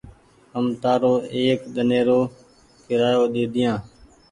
هم تآرو ايڪ ۮن ني رو ڪيرآيو ڏيديا۔